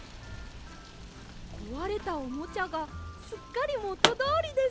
こわれたおもちゃがすっかりもとどおりです！